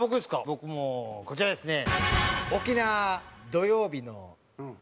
僕もうこちらですね。